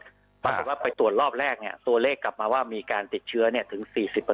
โรคเชิงลุกไปตรวจหรือว่าไปตรวจรอบแรกตัวเลขกลับมาว่ามีการติดเชื้อถึง๔๐